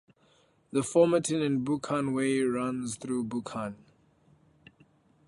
The Formartine and Buchan Way runs through Buchan.